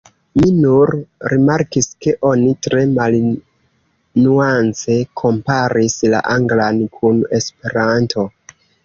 Mi nur rimarkis ke oni tre malnuance komparis la anglan kun esperanto.